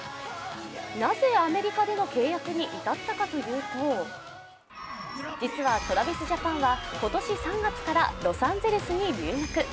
なぜアメリカでの契約に至ったかというと、実はＴｒａｖｉｓＪａｐａｎは今年３月からロサンゼルスに留学。